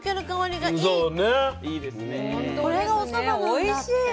おいしい。